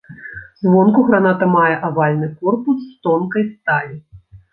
Звонку граната мае авальны корпус з тонкай сталі.